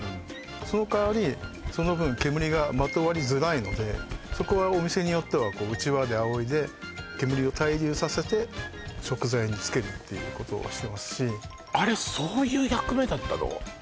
その代わりその分煙がまとわりづらいのでそこはお店によってはうちわであおいで煙を滞留させて食材につけるっていうことをしてますしあれそういう役目だったの？